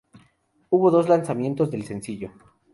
Hubo dos lanzamientos del sencillo.